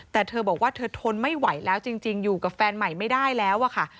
แต่เธอบอกว่าเธอทนไม่ไหวแล้วจริงอยู่กับแฟนใหม่ไม่ได้แล้วอะค่ะ